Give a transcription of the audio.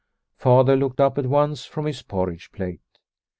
Father looked up at once from his porridge plate.